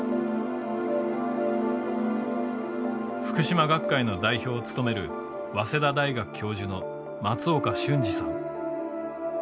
ふくしま学会の代表を務める早稲田大学教授の松岡俊二さん。